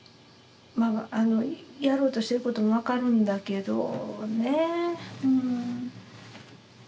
やろうとしてることも分かるんだけどねえ